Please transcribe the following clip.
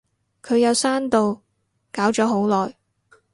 佢有刪到，搞咗好耐